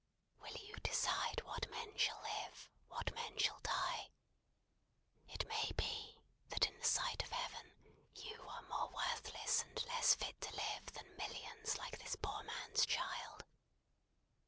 Will you decide what men shall live, what men shall die? It may be, that in the sight of Heaven, you are more worthless and less fit to live than millions like this poor man's child.